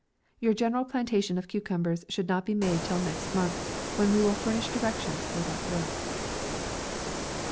Your general plantation of cucumbers should not be made till next month, when we will furnish directions for that work.